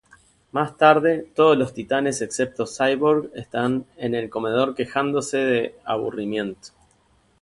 Más tarde, todos los titanes excepto Cyborg están en el comedor quejándose de aburrimiento.